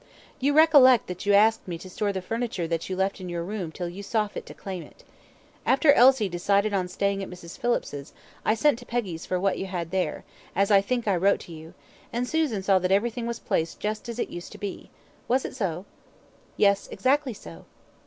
"You recollect that you asked me to store the furniture that you left in your room till you saw fit to claim it. After Elsie decided on staying at Mrs. Phillips's, I sent to Peggy's for what you had there, as I think I wrote to you, and Susan saw that everything was placed just as it used to be. Was it so?" "Yes; exactly so."